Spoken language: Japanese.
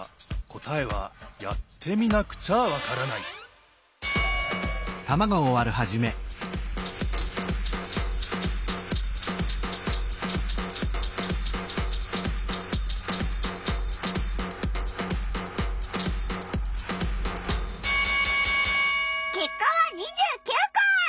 答えはやってみなくちゃわからないけっかは２９こ！